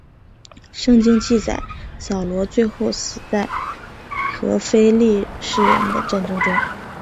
圣经记载扫罗最后死在和非利士人的战争中。